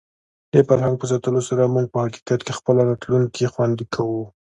د فرهنګ په ساتلو سره موږ په حقیقت کې خپله راتلونکې خوندي کوو.